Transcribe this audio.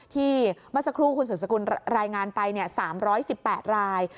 เมื่อสักครู่คุณสืบสกุลรายงานไป๓๑๘ราย